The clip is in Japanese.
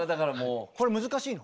これ難しいの？